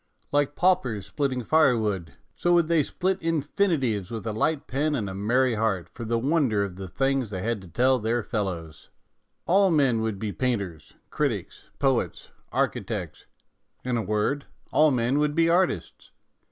Like paupers splitting firewood, so would they split infi nitives with a light pen and a merry heart for the wonder of the things they had to tell their fellows. All men would be painters, critics, poets, architects ; in a word, all men would be artists.